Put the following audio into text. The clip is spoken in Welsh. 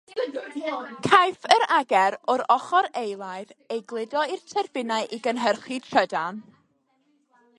Caiff yr ager o'r ochr eilaidd ei gludo i'r tyrbinau i gynhyrchu trydan.